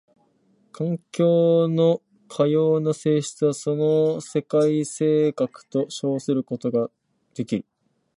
環境のかような性質はその世界性格と称することができる。